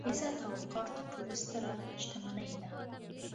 عزت او وقار تر ټولو ستره شتمني ده.